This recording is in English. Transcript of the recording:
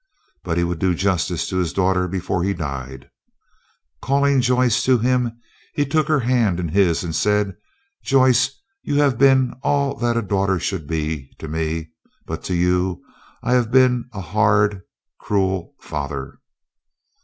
But he would do justice to his daughter before he died. Calling Joyce to him, he took her hand in his, and said: "Joyce, you have been all that a daughter should be to me, but to you I have been a hard, cruel father."